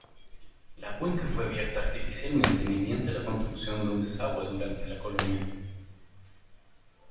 La cuenca fue abierta artificialmente mediante la construcción de un desagüe durante la Colonia.